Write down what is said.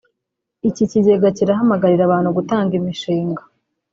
iki kigega kirahamagarira abantu gutanga imishinga